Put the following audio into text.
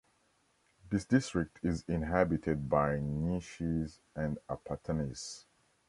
This district is inhabited by Nyishis and Apatanis.